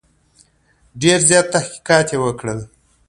ډېر زیات تحقیقات یې وکړل.